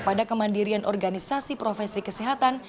pada kemandirian organisasi profesi kesehatan